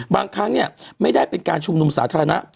บางครั้งไม่ได้เป็นการชุมนุมสาธารณะ